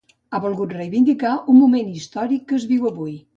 Ha volgut reivindicar el moment històric que es viu avui.